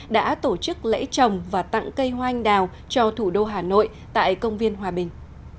đã tổ chức lễ trồng và tặng cây hoa anh đào cho thủ đô hà nội tại công viên hòa bình